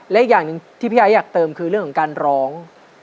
และอีกอย่างหนึ่งที่พี่ไอ้อยากเติมคือเรื่องของการร้อง